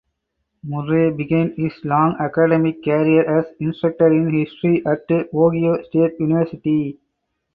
Murray began his long academic career as instructor in History at Ohio State University.